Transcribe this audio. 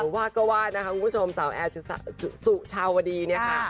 ว่าก็ว่านะคะคุณผู้ชมสาวแอร์สุชาวดีเนี่ยค่ะ